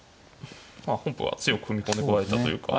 まあ本譜は強く踏み込んでこられたというか。